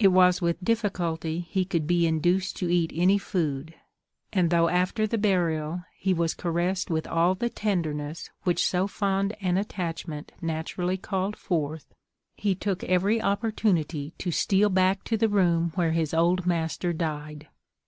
It was with difficulty he could be induced to eat any food; and though after the burial he was caressed with all the tenderness which so fond an attachment naturally called forth, he took every opportunity to steal back to the room where his old master died.